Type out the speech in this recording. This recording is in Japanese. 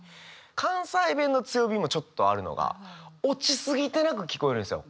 関西弁の強みもちょっとあるのが落ちすぎてなく聞こえるんですよ。